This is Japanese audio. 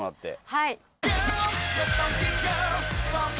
はい。